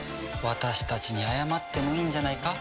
私たちに謝ってもいいんじゃないか？